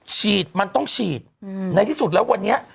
ฉีดมันต้องฉีดในที่สุดแล้ววันนี้